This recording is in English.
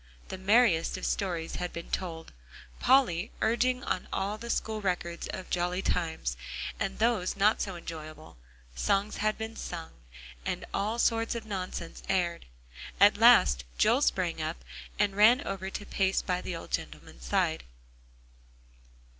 The merriest of stories had been told, Polly urging on all the school records of jolly times, and those not so enjoyable; songs had been sung, and all sorts of nonsense aired. At last Joel sprang up and ran over to pace by the old gentleman's side.